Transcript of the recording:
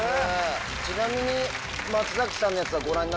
ちなみに。